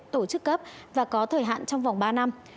tổ chức cấp và có thời hạn trong vòng ba năm